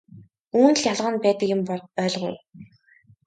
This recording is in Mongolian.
Үүнд л ялгаа нь байдаг юм ойлгов уу?